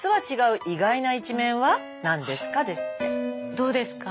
どうですか？